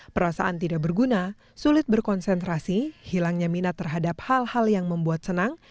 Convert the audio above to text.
perasaan tidak berguna sulit berkonsentrasi hilangnya minat terhadap hal hal yang membuat senang